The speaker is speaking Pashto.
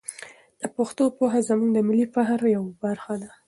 د پښتو پوهه زموږ د ملي فخر یوه برخه ده.